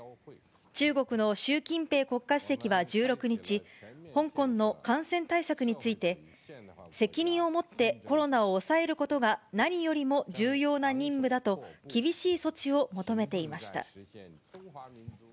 中国の習近平国家主席は１６日、香港の感染対策について、責任を持ってコロナを抑えることが何よりも重要な任務だと、厳しい措置を求めていました。